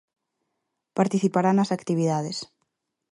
Participará nas actividades.